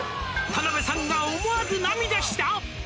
「田辺さんが思わず涙した！？」